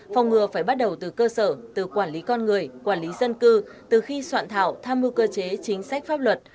phòng ngừa phải bắt đầu từ cơ sở từ quản lý con người quản lý dân cư từ khi soạn thảo tham mưu cơ chế chính sách pháp luật